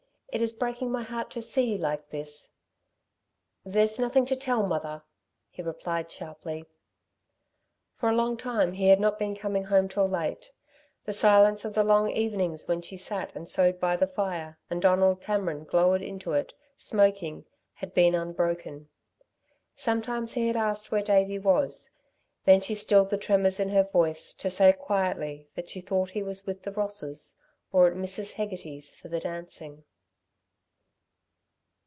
It is breaking my heart to see you like this." "There's nothing to tell, mother," he replied sharply. For a long time he had not been coming home till late. The silence of the long evenings when she sat and sewed by the fire and Donald Cameron glowered into it, smoking, had been unbroken. Sometimes he had asked where Davey was. Then she stilled the tremors in her voice to say quietly that she thought he was with the Rosses or at Mrs. Hegarty's for the dancing.